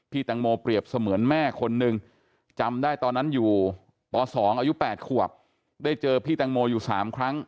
แตงโมเปรียบเสมือนแม่คนนึงจำได้ตอนนั้นอยู่ป๒อายุ๘ขวบได้เจอพี่แตงโมอยู่๓ครั้ง